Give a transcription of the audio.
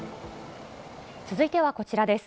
続いてはこちらです。